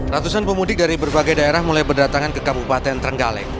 ratusan pemudik dari berbagai daerah mulai berdatangan ke kabupaten trenggalek